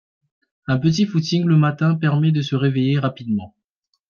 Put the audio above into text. Un petit footing le matin permet de se réveiller rapidement